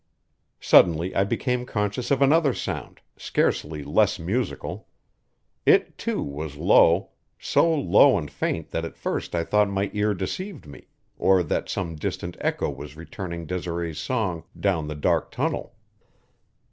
Suddenly I became conscious of another sound, scarcely less musical. It, too, was low; so low and faint that at first I thought my ear deceived me, or that some distant echo was returning Desiree's song down the dark tunnel.